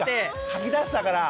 吐き出したから！